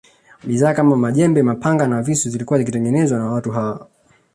Bidhaa kama majembe mapanga na visu zilikuwa zikitengenezwa na watu hawa